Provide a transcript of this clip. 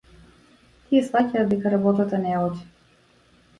Тие сфаќаат дека работата не оди.